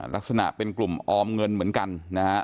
ลักษณะเป็นกลุ่มออมเงินเหมือนกันนะฮะ